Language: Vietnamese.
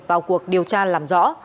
vào cuộc điều tra làm rõ